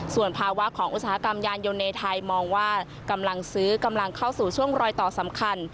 ส่วนภาวะของอุตสาหกรรมยานยนต์ในไทยมองว่ากำลังซื้อกำลังเข้าสู่ช่วงรอยต่อสำคัญ